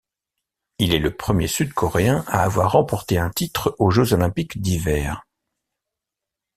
Il est le premier sud-coréeen à avoir remporté un titre aux Jeux olympiques d'hiver.